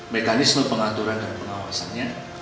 mekanisme pengaturan dan pengawasannya